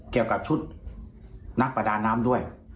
เกี่ยวกับชุดนักประดาน้ำด้วย